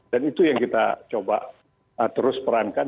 dan itu yang kita coba terus perankan